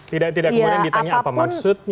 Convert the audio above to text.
tidak kemudian ditanya apa maksudnya